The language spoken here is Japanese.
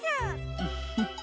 フフフ。